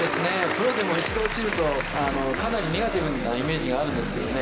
プロでも一度落ちるとかなりネガティブなイメージがあるんですけどね